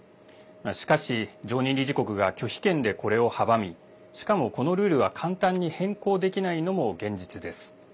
しかし、常任理事国が拒否権でこれを阻みしかも、このルールが簡単に変更できないのも現実です。